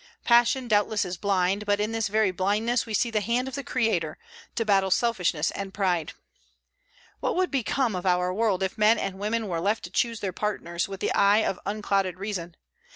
Passion, doubtless, is blind; but in this very blindness we see the hand of the Creator, to baffle selfishness and pride. What would become of our world if men and women were left to choose their partners with the eye of unclouded reason?